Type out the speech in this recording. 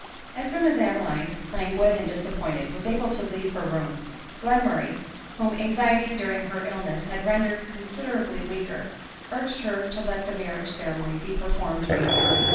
As soon as Adeline, languid and disappointed, was able to leave ber room, Gienmurray, whom anxiety during her illness had rendered considerably weaker, urged her to let the marriage ceremony be performed immediately.